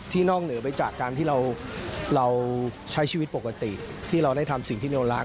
นอกเหนือไปจากการที่เราใช้ชีวิตปกติที่เราได้ทำสิ่งที่เรารัก